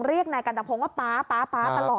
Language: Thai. เรียกนายกันตะพงว่าป๊าป๊าป๊าตลอดเลยนะคะ